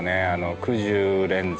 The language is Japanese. くじゅう連山